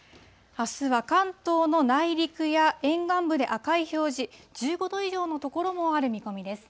あすは関東の内陸や沿岸部で赤い表示、１５度以上の所もある見込みです。